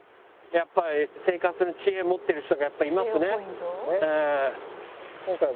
やっぱり生活の知恵持ってる人がやっぱりいますね。